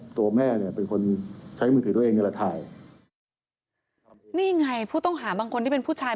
ตัวแม่เนี่ยเป็นคนใช้มือถือตัวเองนี่แหละถ่ายนี่ไงผู้ต้องหาบางคนที่เป็นผู้ชาย